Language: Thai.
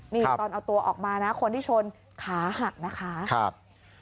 นี่ตอนเอาตัวออกมานะคนที่ชนขาหักนะคะครับ